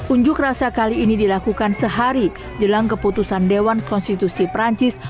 unjuk rasa kali ini dilakukan sehari jelang keputusan dewan konstitusi perancis